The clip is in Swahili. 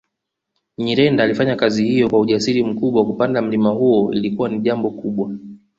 Nyirenda alifanya kazi hiyo kwa ujasiri mkubwa kupanda mlima huo ilikuwa ni jambo kubwa